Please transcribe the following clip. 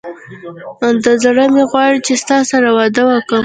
دا زړه مي غواړي چي ستا سره واده وکم